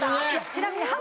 ちなみに。